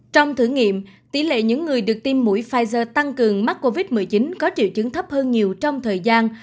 trong thử nghiệm tỷ lệ những người được tiêm mũi pfizer tăng cường mắc covid một mươi chín có triệu chứng thấp hơn nhiều trong thời gian